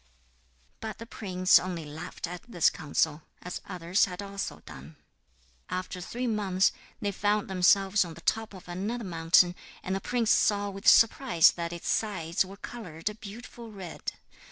But the prince only laughed at this counsel as others had also done. After three months they found themselves on the top of another mountain, and the prince saw with surprise that its sides were coloured a beautiful red.